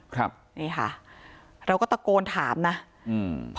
ครับนี่ค่ะเราก็ตะโกนถามนะอืม